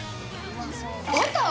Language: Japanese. バター？